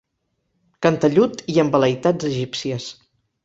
Cantellut i amb vel·leïtats egípcies.